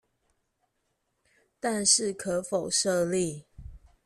但是可否設立